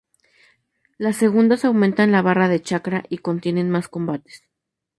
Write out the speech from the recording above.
Las segundas aumentan la barra de chakra y contienen más combates.